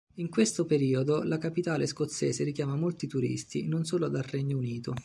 In questo periodo la capitale scozzese richiama molti turisti, non solo dal Regno Unito.